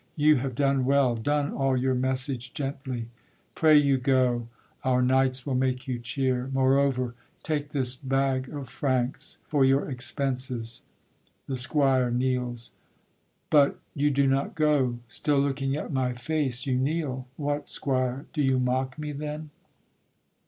You have done well, Done all your message gently, pray you go, Our knights will make you cheer; moreover, take This bag of franks for your expenses. [The Squire kneels. But You do not go; still looking at my face, You kneel! what, squire, do you mock me then?